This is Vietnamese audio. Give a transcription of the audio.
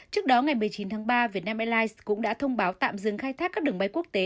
trước đó ngày một mươi chín tháng ba vietnam airlines cũng đã thông báo tạm dừng khai thác các đường bay quốc tế